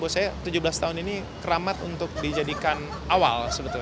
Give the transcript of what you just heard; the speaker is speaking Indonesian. saya tujuh belas tahun ini keramat untuk dijadikan awal sebetulnya